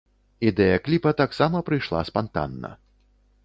Ідэя кліпа таксама прыйшла спантанна.